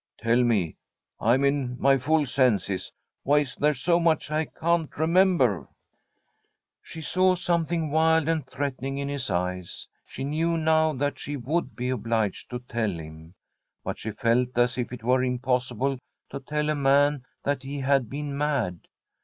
* Tell me ! I am in my full senses ! Why is there so much I can't remember ?' She saw something wild and threatening in his eyes. She knew now that she would be obliged to tell him. But she felt as if it were impossible to tell a man that he had been mad.